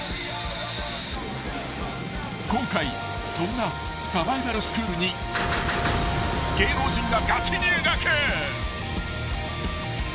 ［今回そんなサバイバルスクールに芸能人が］